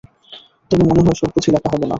তবু মনে হয় সব বুঝি লেখা হলো না।